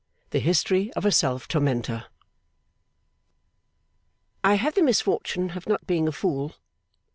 The History of a Self Tormentor I have the misfortune of not being a fool.